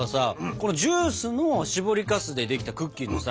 このジュースのしぼりかすでできたクッキーのさ